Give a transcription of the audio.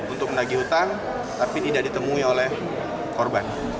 untuk menagih hutang tapi tidak ditemui oleh korban